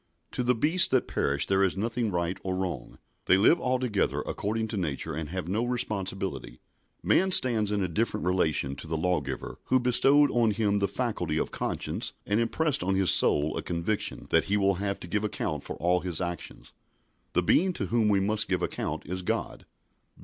To the beasts that perish there is nothing right or wrong. They live altogether according to nature, and have no responsibility. Man stands in a different relation to the Lawgiver who bestowed on him the faculty of conscience and impressed on his soul a conviction that he will have to give account for all his actions. The Being to whom he must give account is God.